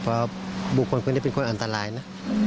เพราะบุคคลคนนี้เป็นคนอันตรายนะ